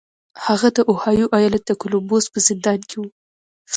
هغه د اوهايو ايالت د کولمبوس په زندان کې و.